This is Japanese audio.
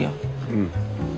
うん。